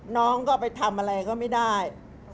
น้องก็ไปทำอะไรก็ไม่ได้